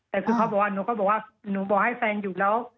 แต่คือเขาบอกว่าหนูก็บอกว่าหนูบอกให้แฟนอยู่แล้ว